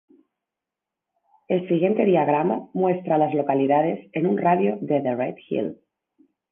El siguiente diagrama muestra a las localidades en un radio de de Red Hill.